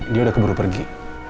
dia udah keburu pergi